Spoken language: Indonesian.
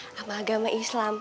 sama agama islam